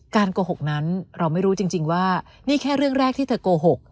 โกหกนั้นเราไม่รู้จริงว่านี่แค่เรื่องแรกที่เธอโกหก